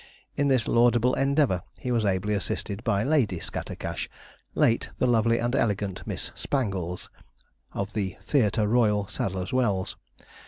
In this laudable endeavour he was ably assisted by Lady Scattercash, late the lovely and elegant Miss Spangles, of the 'Theatre Royal, Sadler's Wells.'